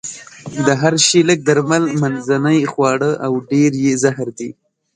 د هر شي لږ درمل، منځنۍ خواړه او ډېر يې زهر دي.